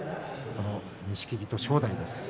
この錦木と正代です。